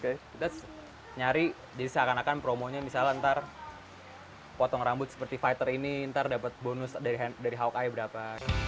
kita nyari jadi seakan akan promonya misalnya ntar potong rambut seperti fighter ini ntar dapat bonus dari hawk i berapa